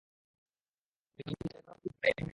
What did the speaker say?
কিন্তু আমি তো একবারও বলি নি যে এটা তাকে দিবো।